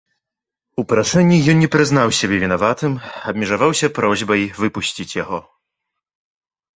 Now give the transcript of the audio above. У прашэнні ён не прызнаў сябе вінаватым, абмежаваўся просьбай выпусціць яго.